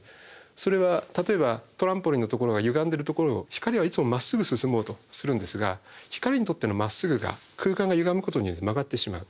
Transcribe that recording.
それは例えばトランポリンのところがゆがんでるところを光はいつもまっすぐ進もうとするんですが光にとってのまっすぐが空間がゆがむことによって曲がってしまう。